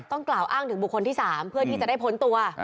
กล่าวอ้างถึงบุคคลที่๓เพื่อที่จะได้พ้นตัว